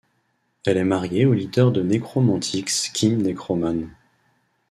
Elle est mariée au leader de Nekromantix Kim Nekroman.